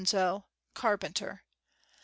o Carpenter. .